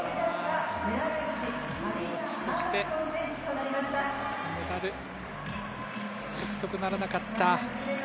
そしてメダル獲得、ならなかった。